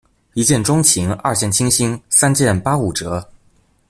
一見鍾情，二見傾心，三件八五折